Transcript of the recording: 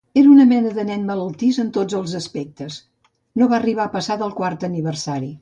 Era una mena de nen malaltís en tots els aspectes, no va arribar a passar del quart aniversari.